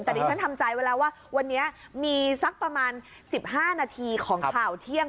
แต่ดิฉันทำใจไว้แล้วว่าวันนี้มีสักประมาณ๑๕นาทีของข่าวเที่ยง